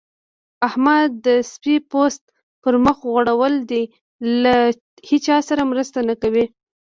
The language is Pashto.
احمد د سپي پوست پر مخ غوړول دی؛ له هيچا سره مرسته نه کوي.